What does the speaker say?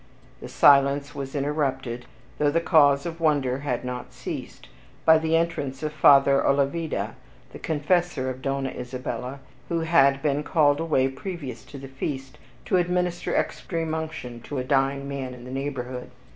The silence was interrupted, though the cause of wonder had not ceased, by the entrance of Father Olavida, the Confessor of Donna Isabella, who had been called away previous to the feast, to administer extreme unction to a dying man in the neighborhood.